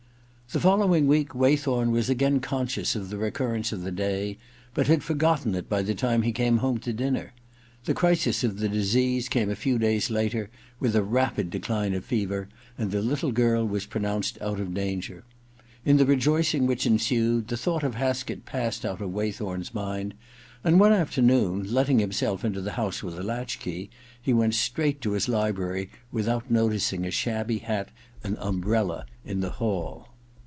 The following week Waythorn was again conscious of the recurrence of the day, but had forgotten it by the time he came home to dinner. The crisis of the disease came a few days later, with a rapid decline of fever, and the little girl was pronounced out of danger. In the rejoicing which ensued, the thought of Haskett passed out of Waythorn's mind, and one afternoon, letting himself into the house with a latch key, he went straight to his library without noticing a shabby hat and umbrella in the hall.